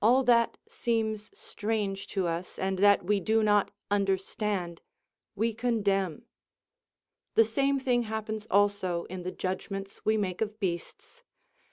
All that seems strange to us, and that we do not understand, we condemn. The same thing happens also in the judgments we make of beasts.